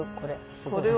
これ。